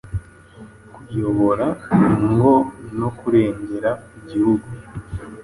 kuyobora ingo no kurengera Igihugu.